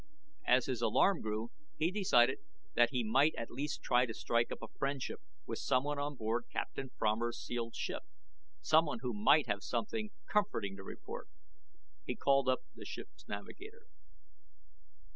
As his alarm grew, he decided that he might at least try to strike up a friendship with someone on board Captain Fromer's sealed ship someone who might have something comforting to report. He called up the ship's navigator.